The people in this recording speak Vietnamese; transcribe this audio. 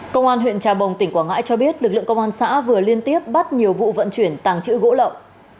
công an huyện trà bồng tỉnh quảng ngãi cho biết lực lượng công an xã vừa liên tiếp bắt nhiều vụ vận chuyển tàng trữ gỗ lậu